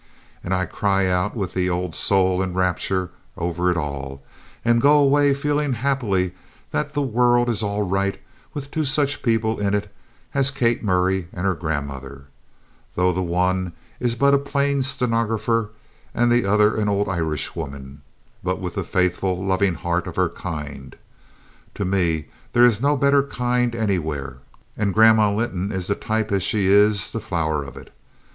And I cry out with the old soul in rapture over it all, and go away feeling happily that the world is all right with two such people in it as Kate Murray and her grandmother, though the one is but a plain stenographer and the other an old Irishwoman, but with the faithful, loving heart of her kind. To me there is no better kind anywhere, and Grandma Linton is the type as she is the flower of it.